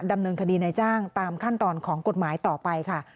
ดำเนินคดีในจ้างตามขั้นตอนของกฎหมายต่อไปค่ะ